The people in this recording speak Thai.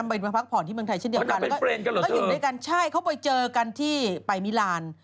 ไปพักผ่อนที่เมืองไทยเช่นเดียวกันแล้วก็อยู่ด้วยกันใช่เขาไปเจอกันที่ไปมิลาน